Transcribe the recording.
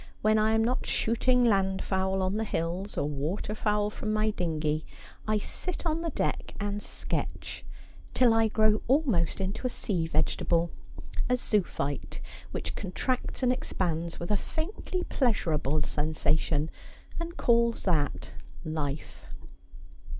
' When I am not shooting land fowl on the hills, or water fowl from my dingey, I sit on the deck and sketch, till I grow almost into a sea 'And in My Herte wondren 1 Began! 187 vegetable — a zoophyte which contracts and expands with a faintly pleasurable sensation — and calls that life.